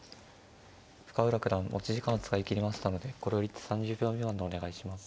深浦九段持ち時間を使い切りましたのでこれより一手３０秒未満でお願いします。